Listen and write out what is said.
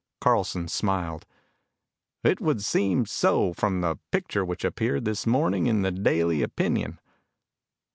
Carlson smiled. "It would seem so from the picture which appeared this morning in the Daily Opinion."